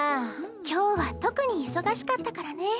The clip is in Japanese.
今日は特に忙しかったからね。